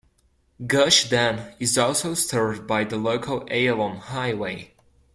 Gush Dan is also served by the local Ayalon Highway.